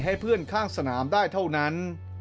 ให้เพื่อนข้างสนามได้เท่านั้น